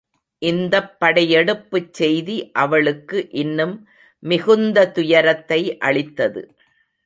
இந்தப் படையெடுப்புச் செய்தி அவளுக்கு இன்னும் மிகுந்த துயரத்தை அளித்தது.